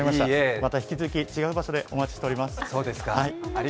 また引き続き違う場所でお待ちしております。